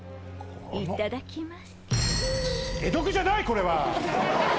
「いただきます」